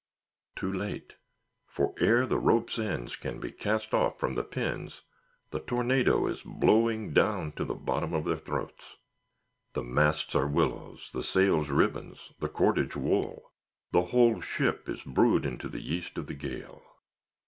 Too late. For ere the ropes' ends can be cast off from the pins, the tornado is blowing down to the bottom of their throats. The masts are willows, the sails ribbons, the cordage wool; the whole ship is brewed into the yeast of the gale.